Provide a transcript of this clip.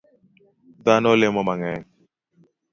Dhano lemo mang'eny